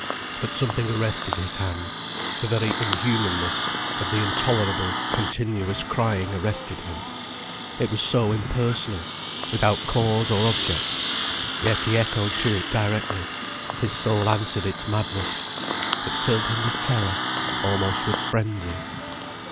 But something arrested his hand: the very inhumanness of the intolerable, continuous crying arrested him. It was so impersonal, without cause or object. Yet he echoed to it directly, his soul answered its madness. It filled him with terror, almost with frenzy.